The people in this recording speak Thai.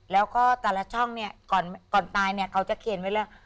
แล้วก็แต่ละช่องเนี่ยก่อนตายเนี่ยเขาจะเขียนไว้แล้ว